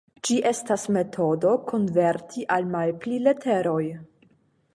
Ĝi estas metodo konverti al malpli leteroj.